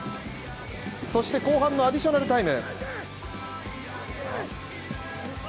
そして後半のアディショナルタイム。